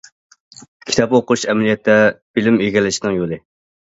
كىتاب ئوقۇش ئەمەلىيەتتە بىلىم ئىگىلەشنىڭ يولى.